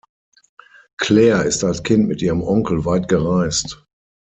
Claire ist als Kind mit ihrem Onkel weit gereist.